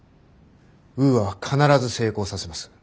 ウーアは必ず成功させます。